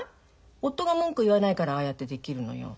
夫が文句言わないからああやってできるのよ。